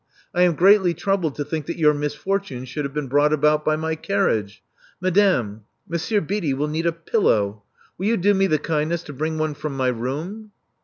I am greatly troubled to think that your misfortune should have been brought about by my carriage. Madame : Mon sieur Beatty will need a pillow. Will you do me the kindness to bring one from my room?"